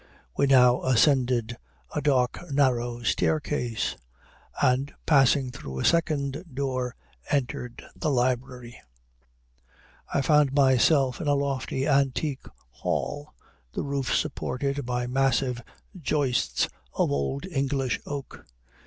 We now ascended a dark narrow staircase, and, passing through a second door, entered the library. I found myself in a lofty antique hall, the roof supported by massive joists of old English oak.